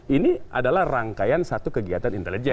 ini adalah rangkaian satu kegiatan intelijen